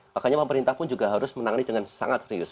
makanya pemerintah pun juga harus menangani dengan sangat serius